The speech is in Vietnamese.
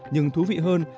nhưng thú vị hơn